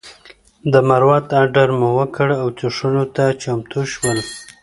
د ورموت اډر مو ورکړ او څښلو ته چمتو شول.